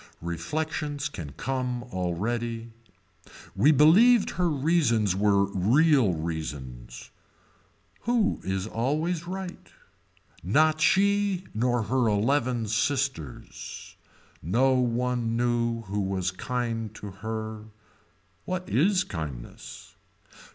Reflections can come already. We believed her reasons were real reasons. Who is always right. Not she nor her eleven sisters. No one knew who was kind to her. What is kindness.